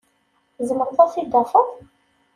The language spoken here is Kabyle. Tzemreḍ ad t-id-tafeḍ?